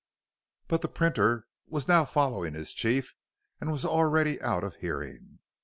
But the printer was following his chief and was already out of hearing.